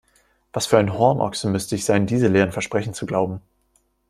Was für ein Hornochse müsste ich sein, diese leeren Versprechen zu glauben!